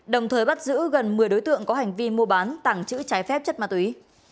đồng thời bắt giữ gần một mươi đối tượng có hành vi mua bán tảng chữ trái phép chất ma túy